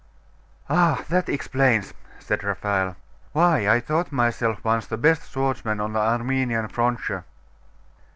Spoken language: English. Ah, that explains,' said Raphael, why, I thought myself once the best swordsman on the Armenian frontier....